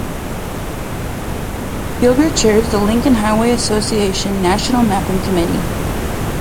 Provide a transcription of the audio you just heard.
Gilger chairs the Lincoln Highway Association National Mapping Committee.